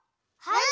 はい！